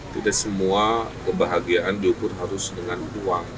tidak semua kebahagiaan diukur harus dengan uang